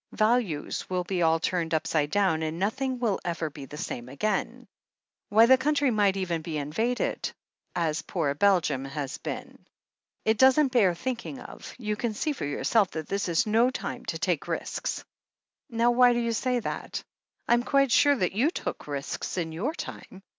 Values will be all turned upside down, and nothing will ever be the same again. Why, the country might even be invaded, as poor Belgium has been. It doesn't bear thinking of ... you can see for yourself that this is no time to take risks." "Now, why do you say that? Fm quite sure that you took risks in your time.